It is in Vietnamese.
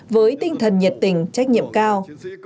với tinh thần nhiệt tình trách nhiệm cao